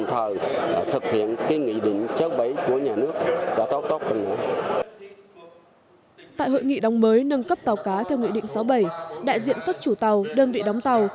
tại hội nghị đóng mới nâng cấp tàu cá theo nghị định sáu bảy đại diện các chủ tàu đơn vị đóng tàu